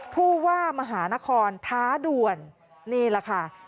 ผู้ว่ามหานครท้าด่วนนี่แหละค่ะ